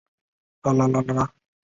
故因其所处之各异形象而众说纷纭。